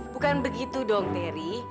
bukan begitu dong terry